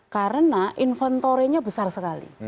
karena inventory nya besar sekali